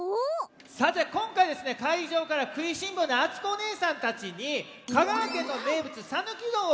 さてこんかいかいじょうからくいしんぼうなあつこおねえさんたちに香川県の名物さぬきうどんをおくったんですよ。